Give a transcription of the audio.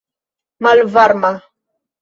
malvarma